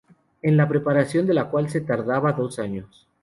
En la preparación de la cual se tardaba dos años.